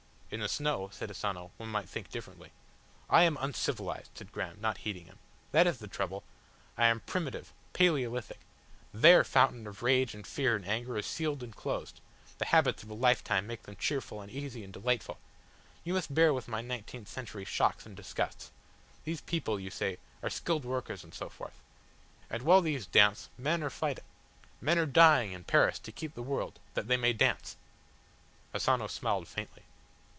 "In the snow," said Asano, "one might think differently." "I am uncivilised," said Graham, not heeding him. "That is the trouble. I am primitive Paleolithic. Their fountain of rage and fear and anger is sealed and closed, the habits of a lifetime make them cheerful and easy and delightful. You must bear with my nineteenth century shocks and disgusts. These people, you say, are skilled workers and so forth. And while these dance, men are fighting men are dying in Paris to keep the world that they may dance." Asano smiled faintly.